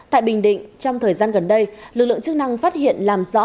tại bình định trong thời gian gần đây lực lượng chức năng phát hiện làm rõ